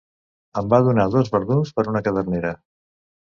Em va donar dos verdums per una cadernera.